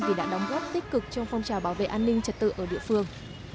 vì đã đóng góp tích cực trong phong trào bảo vệ an ninh trật tự ở địa phương